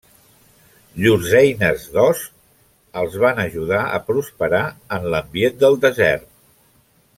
Llurs eines d'os els van ajudar a prosperar en l'ambient del desert.